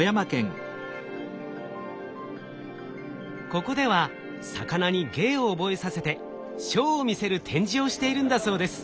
ここでは魚に芸を覚えさせてショーを見せる展示をしているんだそうです。